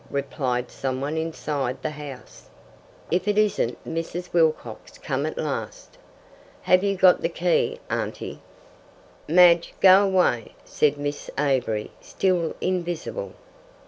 replied someone inside the house. "If it isn't Mrs. Wilcox come at last!" "Have you got the key, auntie?" "Madge, go away," said Miss Avery, still invisible.